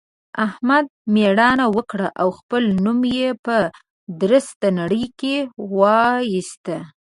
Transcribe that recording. احمد مېړانه وکړه او خپل نوم يې په درسته نړۍ کې واېست.